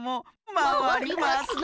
まわりますな。